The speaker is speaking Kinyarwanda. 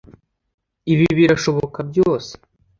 Ibi birashoboka byose